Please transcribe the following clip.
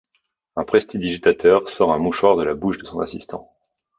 Un prestidigitateur sort un mouchoir de la bouche de son assistant.